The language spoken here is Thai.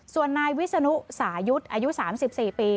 ส่วนนายวิศนุสายุทธ์อายุ๓๔ปี